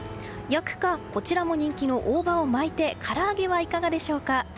焼くか、こちらも人気の大葉を巻いてから揚げはいかがでしょうか。